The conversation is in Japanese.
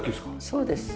そうです。